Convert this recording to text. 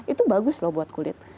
itu bagus loh buat kulit